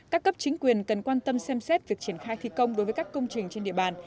các cấp chính quyền cần quan tâm xem xét việc triển khai thi công đối với các công trình trên địa bàn